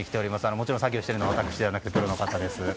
もちろん、作業しているのは私ではなくプロの方です。